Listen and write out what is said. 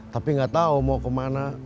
tapi gak tau mau kemana